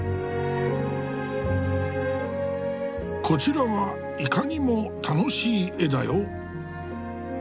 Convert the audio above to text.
こちらはいかにも楽しい絵だよ。